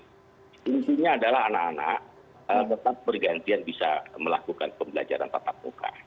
intinya adalah anak anak tetap bergantian bisa melakukan pembelajaran tatap muka